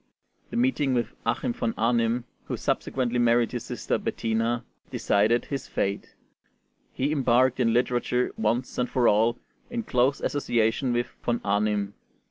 The meeting with Achim von Arnim, who subsequently married his sister Bettina, decided his fate: he embarked in literature once and for all in close association with Von Arnim.